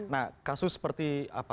nah kasus seperti